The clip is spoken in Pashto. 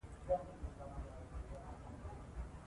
نوې ټکنالوژي د خلکو ورځني کارونه ډېر اسانه کړي